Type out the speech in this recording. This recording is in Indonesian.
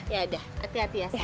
ya udah hati hati ya